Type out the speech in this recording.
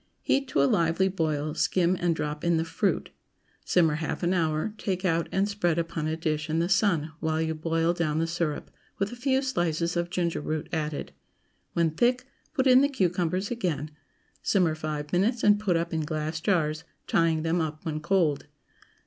Heat to a lively boil, skim, and drop in the fruit. Simmer half an hour, take out and spread upon a dish in the sun while you boil down the syrup, with a few slices of ginger root added. When thick, put in the cucumbers again; simmer five minutes and put up in glass jars; tying them up when cold.